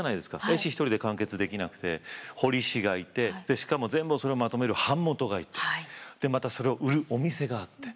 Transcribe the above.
絵師１人で完結できなくて彫師がいてしかも全部それをまとめる版元がいてまたそれを売るお店があって。